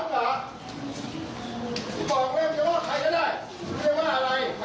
คลิปกันก่อนค่ะ